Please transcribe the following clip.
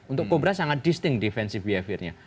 untuk kobra sangat disting defensive behaviornya